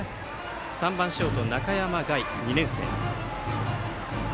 ３番ショート、中山凱２年生の打席。